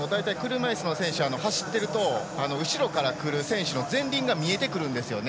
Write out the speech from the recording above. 車いすの選手は走っていると後ろから来る選手の前輪が見えてくるんですよね。